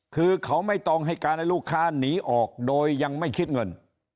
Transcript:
คือเขาไม่ต้องให้การให้ลูกค้าหนีออกโดยยังไม่คิดเงิน